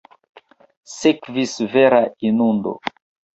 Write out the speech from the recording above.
Sekvis vera inundo.